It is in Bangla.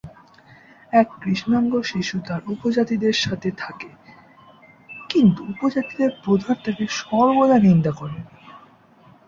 এক কৃষ্ণাঙ্গ শিশু তার উপজাতিদের সাথে থাকে কিন্তু উপজাতিদের প্রধান তাকে সর্বদা নিন্দা করেন।